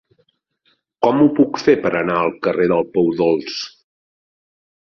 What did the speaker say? Com ho puc fer per anar al carrer del Pou Dolç?